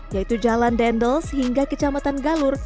yaitu jalan dendels hingga kecamatan galur